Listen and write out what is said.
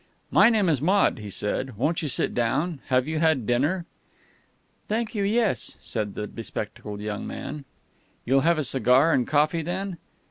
"My name is Maude," he said. "Won't you sit down? Have you had dinner?" "Thank you, yes," said the spectacled young man. "You'll have a cigar and coffee, then?"